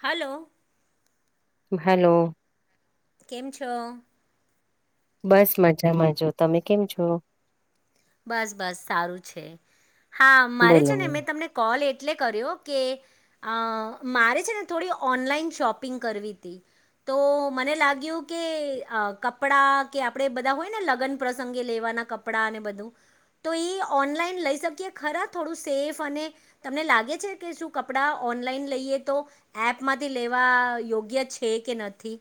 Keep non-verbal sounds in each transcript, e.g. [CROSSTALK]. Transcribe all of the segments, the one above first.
Hello. Hello. કેમ છો. બસ મજામાં જો. તમે કેમ છો? બસ બસ સારું છે હા મારે બોલો છે ને બોલો. મેં તમને કોલ એક એલે કર કે મારે છે ને થોડી ઓનલાઈન શોપિંગ કરવી હતી. તો મને લાગ્યું કે કપડા કે આપણે બધા હોય ને લગ્ન પ્રસંગે લેવા ના કપડા અને બધું. તો એ ઓનલાઈન લઈ શકીએ ખરા થોડું સેફ અને તમને લાગે છે કે શું કપડાં. ઓનલાઈન લઈએ તો એપ માંથી લેવા યોગ્ય છે કે નથી.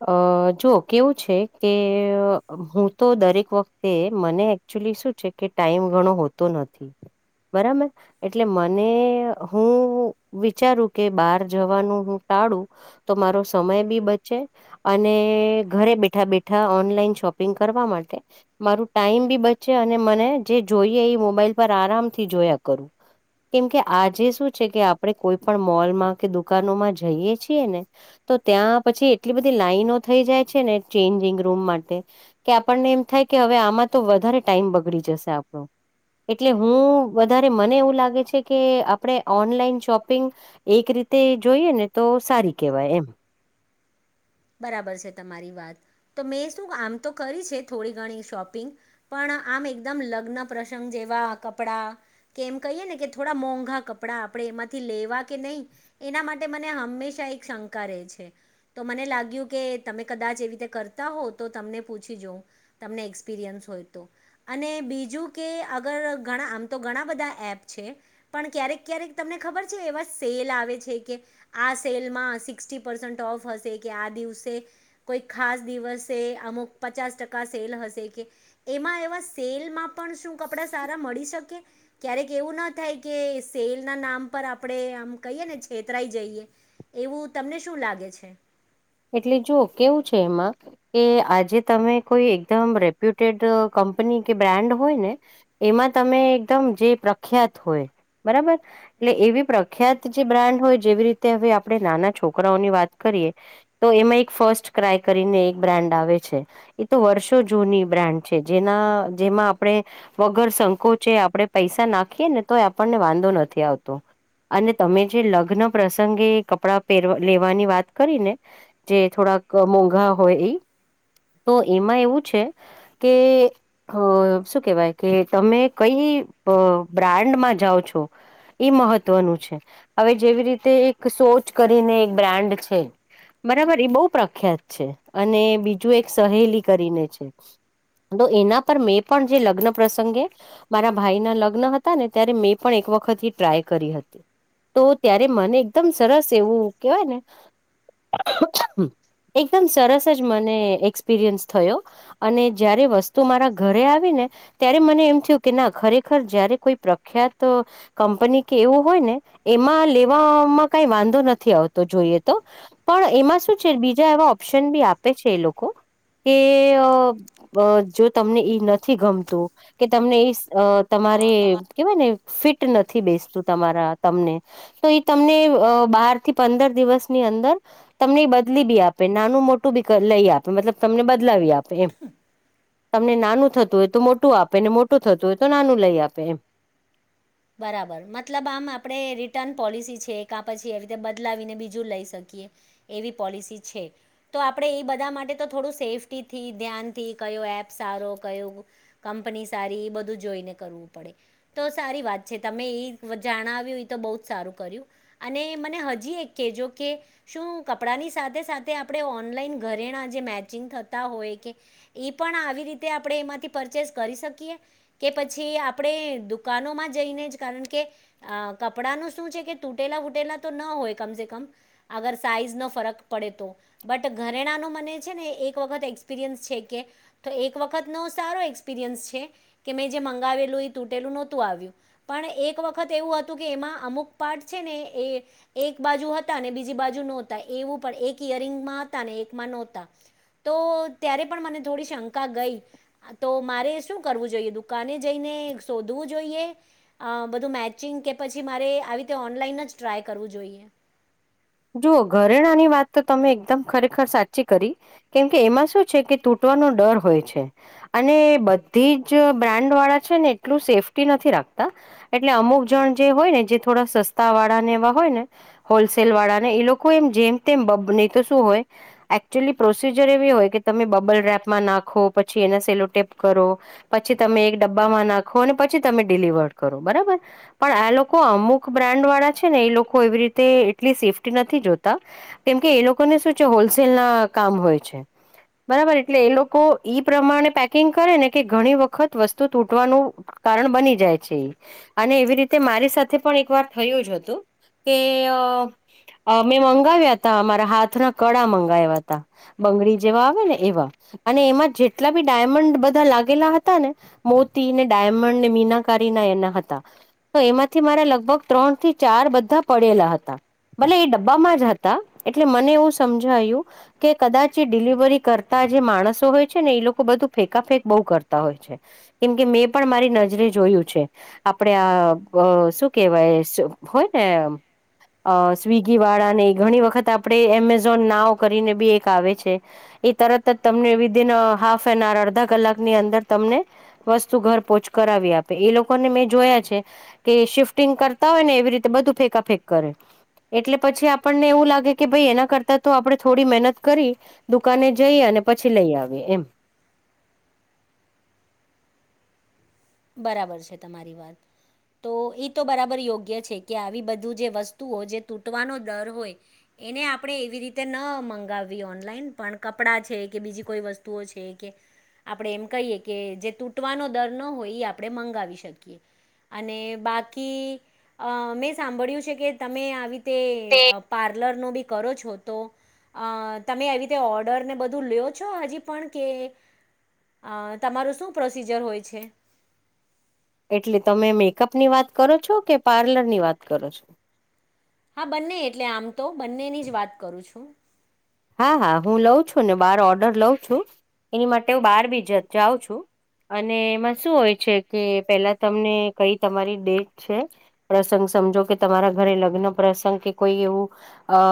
અ જો કેવું છે કે હું તો દરેક વખતે મને. એકચુલી શું છે કે ટાઈમ ઘણો હોતો નથી. બરાબર એટલે મને હું વિચારું કે બાર જવાનું. કાળુ તો મારો સમય બી બચે. અને ઘરે બેઠા બેઠા ઓનલાઈન શોપિંગ કરવા માટે મારું ટાઈમ બી. છે અને મને જે જોઈએ એ મોબાઈલ પર આરામ થી જોયા કરું. કેમકે આજે શું છે કે આપણે કોઈ પણ મોલમાં કે દુકાનોમાં જઈયએ છીએ ને. તો ત્યાં પછી. એટલી બધી લાાઈનો થઈ જાય છે ને ચેન્જિંગ રૂમ માટે કે આપણને એમ થાય કે હવે આમાં તો. વધારે ટાઈમ બગડી જશે આપણો. એટલે હું વધારે મને એવું લાગે છે કે આપણે ઓનલાઈન શોપિંગ એક રીતે. તે જોઈએ ને તો સારી કહેવાય એમ. બરાબર છે તમારી વાત તો મેં શું આમ તો કરી છે થોડી ઘણી શોપિંગ પણ. આમ એકમ લગ્ન પ્રસંગ જેવા કપડા કે એમ કહીએ ને કે થોડા મોંઘા કપડા આપ. આપડે એમાંથી લેવા કે નહીં એના માટે મને હંમેશા એક શંકા રહે છે તો મને લાગિયું કે તમે કદાચ એવી રીતે કરતા હો તો તમને પૂછી જ તમને એક્સપિરિયન્સ હોય તો. અને બીજું કે અગર ઘણા આમ તો ઘણા બધા એપ છે પણ ક્યારેક ક્યારેક તમે ખબર છે એવા સેલ આવે છે કે આ સેલમાં સિક્સટી પરસેંટ ઓફ હશે કે આ દિવસે કોઈ ખાસ દિવસે અમુક પચાસ ટકા સેલ હશે કે એમાં એવા સેલમાં પણ શું કપડા સારા મળી શકે ક્યારેક એવું ના થાય કે સેલ ના નામ આમ પર આપણે આમ કહીએ ને છેતરાઈ જઈએ એવું તમને શું લાગે છે. એટલે જો કેવું છે એમાં કે આજે તમે કોઈ એકદમ રેપ્યુટેડ કંપ ની કે બ્રાન્ડ હોય ને એમાં તમે એકદમ જે પ્રખ્યાત હોય બરાબર એટલે એવી પ્રખ્યાત જે બ્રાન્ડ હોય જેવી રીતે હવે આપણે નાના છોકરાઓની વાત કરી કરીએ. તો એમાં એક ફર્સ્ટ ક્રાય કરીને એક બ્રાન્ડ આવે છે એ તો વર્ષો જૂની બ્રાન્ડ છે જેના જેમાં આપણે વગર સંકોચે આપડણે પૈસા નાખીએ ને તો આપણને વાંધો નથી આવતો. તો અને તમે જે લગ્ન પ્રસંગે કપડા પર લેવાની વાત કરી ને જે થોડાક મોંઘા હોય એ તો એમાં એવું છે કે અ શું કેવાય કે તમે કઈ બ્રાન્ડમાં જાઓ છો. એ મહત્વનું છે હવે જેવી રીતે એક સોચ કરીને એક બ્રાન્ડ છે બરાબર એ બહુ પ્રખ્યાત છે અને બીજું એક સહેલી કરીને છે તો એના પર મેં પણ જે લગ્ન પ્રસંગે મારા ભાઈના લગ્ન હતા ને ત્યારે મેં પણ એક એક વખત ટ્રાય કરી હતી. તો ત્યારે મને એકદમ સરસ એવું કેવાય ને એકદમ સરસ જ મને એક્સપિરિયન્સ થયો અને જયારે વસ્તુ મારા ઘરે આવી ને ત્યારે મને એમ થયું કે ના ખરેખર જયારે કોઈ પ્રખ્યાત કંપની કે એવું હોય ને એમાં લેવામાં કઈ વાંધો નથી આવતો જોઈએ તો પણ એમાં શું છે બીજા એવા ઓપ્શન બી આપે છે એ લોકો કે જો તમને ઈ નથી ગમતું કે તમને એ અ તમારે કેવાય ને ફિટ નથી બેસતું તમારા તમને તો એ તમને બાર થી પંદર દિવસની અંદર તમને બદલી બી આપે નાનું મોટું બી લઈ આપે મતલબ તમને બદલાવી આપે એમ. તમને નાનું થતું હોય તો મોટું આપે ને મોટું થતું હોય તો નાનું લઈ આપે એમ. બરાબર મતલબ આમ આપડે રિટર્ન પોલિસી છે કા પછી એવી રીતે બદલાવીને બીજું લઈ શકીએ. એવી પોલસી છે તો આપણે એ બધા માટે તો થોડું સેફીટીથી ધ્યાનથી કઈ એપ સારો કઈ કંપની સારી એ બધું જોઈને કરવું પડે તો સારી વાત છે તમે એ જાણાવ્યું એ તો બહુ જ સારું કર્યું અને મને હજી એક કેજો કે શું કપડાંની સાથે સાથે આપણે ઓનલાઈન ઘરેણા જે મેચિંગ થતા હોય કે એ પણ પણ આવી રીતે આપણે એમાંથી પરચેસ કરી શકીએ કે પછી આપણે દુકાનોમાં જ જઈ ને કારણ કે કપડા નુ શું છે કે તૂટેલા તૂટેલા તો ના હોય કમસે કમ આ અગર સાઈઝનો ફરક પડે તો બટ ઘરેણાનો મને છે ને એક વખત એક્સપિરિયન્સ છે કે તો એક વખતનો સારો એક્સપિરિયન્સ છે કે મેં જે મંગાવેલું એ તૂટેલું નહોતું આવ્યું. પણ એક વખત એવું હતું કે એમાં અમુક પાર્ટ છે ને એ એક બાજુ હતા અને બીજી બાજુ નોતા એવું પણ એક ઈયરિંગમાં હતા ને એકમાં નહોતા. તો ત્યારે પણ મને થોડી શંકા ગઈ તો મારે શું કરવું જોઈએ દુકાને જઈને શોધવું જોઈએ. અ બધું મેચિંગ કે પછી મારે આવી રીતે ઓનલાઈન જ ટ્રાય કરવું જોઈએ. જુઓ ઘરેણાની વાત તો તમે એકદમ ખરેખર સાચી કરી કેમ કે એમાં શું છે કે તૂટ નો ડર હોય છે અને બધી જ બ્રાન્ડ વાળા છે ને એટલું સેફટી નથી રાખત તા એટલે અમુક જણ જે હોય ને જે થોડા સસ્તા વાળા ને એવા હોય ને હોલસેલ વાળા અને એ લોકો એમ જેમ તેમ બબ નહી તો શું હોય એકચુઅલી પ્રોસીજર એવી હોય કે તમે બબલ રેપ માં નાખો પછી એને સેલોટેપ કરો પછી તમે એક ડબ્બામાં નાખો અને પછી તમે ડિલિવર કટ કરી પણ આ લોકો અમુક બ્રાન્ડ વાળા છે ને એ લોકો એવી રીતે એટલી સેફ નથી જોતા કેમ કે એ લોકોને શું છે હોલસેલ ના કામ હોય છે. બરાબર એટલે એ લોકો ઈ પ્રમાણે પેકિંગ કરે ને કે ઘણી વખત વસ્તુ તૂટવાનું કારણ બની જાય છે એ અને એવી રીતે મારી સાથે પણ એક વાર થયું જ હતું કે અ અ મેં મંગાવ્યા હતા મામારા હાથના કળા મંગાવ્યા હતા બંગડી જેવા આવે ને એવા અને એમાં જેટલા બી ડાયમંડ બધા લાગેલા હતા ને મોતી ને ડાયમંડ ને મીના મીનાકારીના હતા એના હતા તો એમાંથી મારા લગભગ ત્રણ થી ચાર બધા પડેલા હતા ભલે એ ડબ્બામાં જ હતા એટલે મને એવું સમજાયું કે કદાચ એ ડિલિવરી કરતા જે માણસો હોય છે ને એ લોકો બધું ફેકાફેક બહુ કરતા હોય છે કેમ કે મેં પણ મારી નજરે જો જોયું છે આપડે આ શું કેવાય હોય ને [INAUDIBLE] અ સ્વીિગી વાળા ને ઘણી વખત આપણે એમેઝોન નાવ કરીને બી એક આવે છે એ તરત જ તમને વિધિન હાફ એન આર અડધા કલાક ની અંદર તમને વસ્તુ ઘર પહોચ કરાવ આપે એ લોકોને મેં જોયા છે કે શિફ્ટિંગ કરતા હોય ને એવી રીતે બધું ફેકાફેક કરે [INAUDIBLE] એટલે પછી આપણને એવું લાગે કે ભાઈ એના કરતા તો આપડણે થોડી મહેનત કરી દુકાને જઈ અને પછી લઈ આવે એમ. બરાબર છે તમારી વાત. તો એ તો બરાબર યોગ્ય છે કે આવી બધું જે વસ્તુઓ જે તૂટવાનો દર હોય એને આપણે એવી રીતે ન મંગાવવી ઓનલાઈન પણ કપડાં છે કે બીજી કોઈ વસ્તુઓ છે કે આપણે એમ કહીએ કે જે તૂટવાનો દર ન હોય એ આપણે મંગાવી શકીએ. અને બાકી અ મેં સાંભળ્યું છે કે તમે આવી તે પાર્લરનો ભી કરો છો તો અ તમે આવી રીતે ઓર્ડર ને બધું લ્યો છો હજી પણ કે અ તમારું શું પ્રોસીજર હોય છે? એટલે તમે મેકઅપ ની વાત કરો છો કે પાર્લરની વાત કરો છો? હા, બંને એટલે આમ તો બંનેની જ વાત કરું છું. હા હા હું લઉં છું ને બાર ઓર્ડર લઉં છું એની માટે હું બહાર બી જાઉં છું. અને એમાં શું હોય છે કે પેલા તમને કઈ તમારી ડેટ છે પ્રસ સમજો કે તમારા ઘરે લગ્ન પ્રસંગ કે કોઈ એવું અ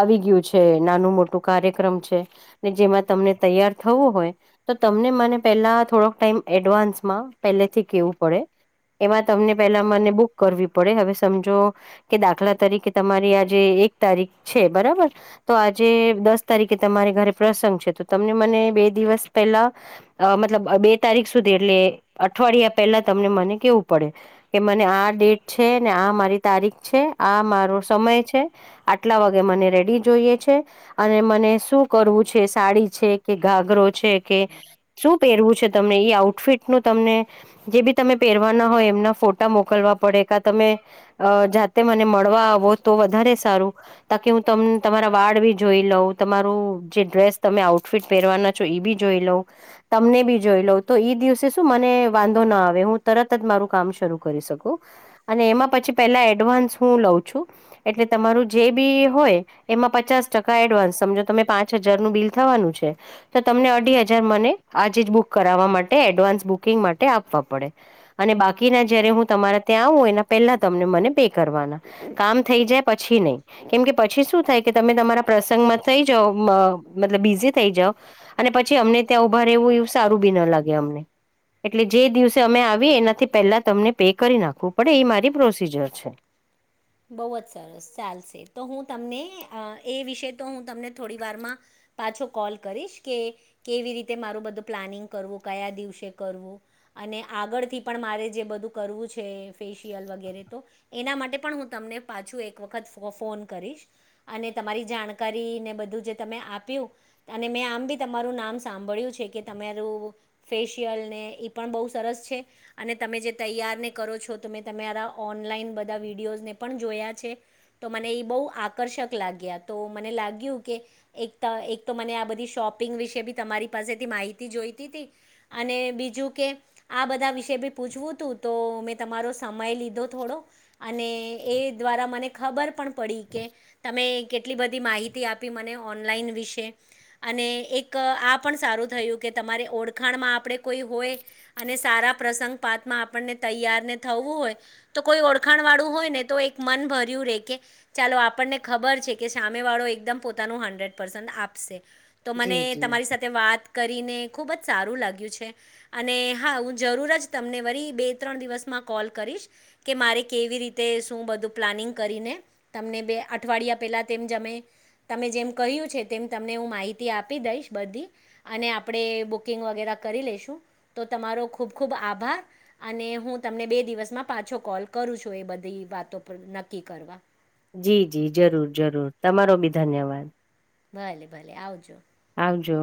આવી ગયું છે નાનું મોટું કાર્યક્રમ છે ને જેમાં તમને તૈયાર થવું હોય તો તમને મને પેલા થોડોક ટાઈમ એડવાન્સ માં પેલેથી કેવું પડે એમાં તમને પેલા મને બુક કરવી પડે હવે સમજો કે દાખલા તરીકે તમારી આ જે એક તારીખ છે બરાબર. તો આજે દસ તારીખે તમારે ઘરે પ્રસંગ છે તો તમને મને બે દિવસ પહેલા અ મતલબ બે તારીખ સુધી એટલે અઠવાડિયા પહેલા તમને મને કેવું પડે કે મને આ ડેટ છે ને આ મારી તારીખ છે આ મારો સમય છે આટલા વાગે મને રેડી જોઈએ છે અને મને શું કરવું છે? સાડી છે કે ઘાગરો છે કે શું પહેર છુ તમને એ આઉટફિટ નું તમને જે ભી તમે પહેરવાના હોય એમના ફોટા મોકલવા પડે કાં તમે જાતે મને મળવા આવો તો વધારે સારું તા કી હું તમ તમારા વાળ ભી જોઈ લઉ તમારું જે ડ્રેસ તમે આઉટફિટ પહેરવાના છો એ ભી જોઈ લઉં તમ ને ભી જોઈ લઉં તો એઈ દિવસે શું મને વાંધો ના આવે હું તરત જ મારું કામ શરૂ કરી શકું. અને એમાં પછી પેલા એડવાન્સ હું લઉં છું એટલે તમારું જે ભી હોય એમાં પચાસ ટકા એડવાન્સ સમજો તમે પાંચ હજારનું બિલ થવાનું છે તો તમને અઢી હજાર મને આજે જ બુક કરાવવા માટે એડવાન્સ બુકિંગ માટે આપવવા પડે અને બાકીના જયારે હું તમારા ત્યાં આવું એના પેલા તમને મને પે કરવાના કામ થઈ જાય પછી નહી કેમ કે પછી શું થાય કે તમે તમારા પ્રસંગમાં થઈ જાવ મ મતલબ બીઝી થઈ જાવ અને પછી અમને ત્યાં ઉભા રહેવું એવું સારું ભી ના લાગે અમને એટલે જે દિવસે અમે આવીએ એનાથી પેહેલા તમને પે કરી નાખવું પડે એ મારી પ્રોસીજર છે. બહુ જ સરસ ચાલશે તો હું તમને એ વિશે તો હું તમને થોડી વારમાં પાછો કોલ કરીશ કે કેવી રીતે મારું બધું પ્લાનિંગ કરવું કયા દિવસે કરવું અને આગળથી પણ મારે જે બધું કરવું છે ફેશિયલ વગેરે તો એના માટે પણ હું તમને પાછું એક વખત ફો ફોન કરીશ અને તમારી જાણકારીને બધું જે તમે આ પ્યું મેં આમ ભી તમારું નામ સાંભળ્યું છે કે તમારું ફેશિયલ ને એ પણ બહુ સરસ છે અને તમે જે તૈયારને કરો છો તમે તમારા ઓનલાઈન બધા વિડીયોઝને પણ જોયા છે તો મને એ બહુ આકર્ષક લાગ્યા તો મને લાગ્યું કે એક તા એક તો મને આ બધી શોપિંગ વિશે ભી તમારી પાસેથી માહિતી જોઈતીતી અને બીજું કે આ બધા વિષ ભી પૂછવું તું તો મેં તમારો સમય લીધો થોડો અને એ દ્વારા મને ખબર પણ પડી કે તમે કેટલી બધી માહિતી આપી મને ઓનલાઈન વિ શે અને એક આ પણ સારું થયું કે તમારે ઓળખાણમાં આપણે કોઈ હોય અને સારા પ્રસંગ પાતમાં આપણને તૈયાર ને થવું હોય તો કોઈ ઓળખાણ વાળું હોય ને તો એક મન ભર્યું રે કે ચાલો આપણને ખબર છે કે સામેવાળો એકદમ પોતાનું હંડ્રેડ પર્સન્ટ આપશે તો મને જી જી તમારી સાથે વાત કરીને ખૂબ જ સારું લાગ્યું છે અને હા, હું જરૂર જ તમને વળી બે ત્રણ દિવસમાં કોલ કરીશ કે મારે કેવી રીતે શું બધું પ્લાનિંગ કરીને તમને બે અઠવાડિયા પહેલા તેમ જમે તમે જેમ કહ્યું છે તેમ તમને હું માહિતી આપી દઈશ બધી અને આપણે બુકિંગ વગેરે કરી લેશું તો. તમારો ખૂબ ખૂબ આભાર અને હું તમને બે દિવસમાં પાછો કોલ કરું છું એ બધી વાતો. તો નક્કી કરવા. જી જી જરૂર જરૂર તમારો બી ધન્યવાદ. ભલે ભલે આવજો. આવજો